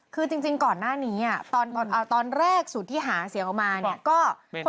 คือจริงก่อนหน้านี้ตอนแรกสูตรที่หาเสียงออกมา